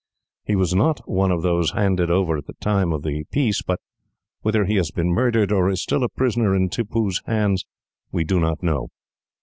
He was not one of those handed over at the time of the peace, but whether he has been murdered, or is still a prisoner in Tippoo's hands, we do not know.